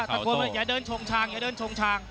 ตะโกนว่าอย่าเดินชงชางอย่าเดินชงชาง